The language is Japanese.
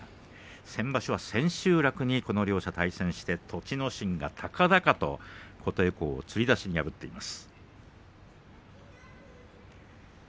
先場所は千秋楽に、この両者対戦して栃ノ心が高々と琴恵光をつり出しに破っています。